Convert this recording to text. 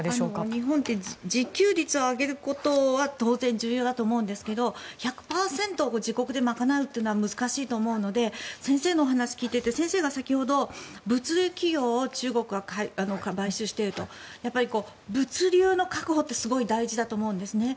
日本って自給率を上げることは当然、重要だと思うんですが１００％を自国で賄うというのは難しいと思うので先生のお話を聞いていて先生が先ほど物流企業を中国が買収していると物流の確保ってすごい大事だと思うんですね。